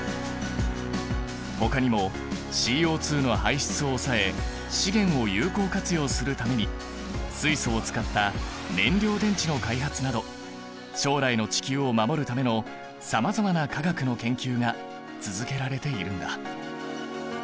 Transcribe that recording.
ほかにもＣＯの排出を抑え資源を有効活用するために水素を使った燃料電池の開発など将来の地球を守るためのさまざまな化学の研究が続けられているんだ。